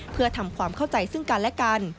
เพื่อทำความเข้าใจซึ่งกันและกัน